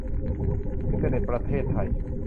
อินเทอร์เน็ตประเทศไทย